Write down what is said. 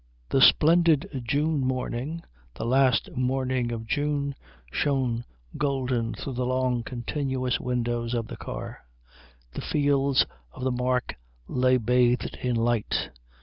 The splendid June morning, the last morning of June, shone golden through the long, continuous windows of the car. The fields of the Mark lay bathed in light.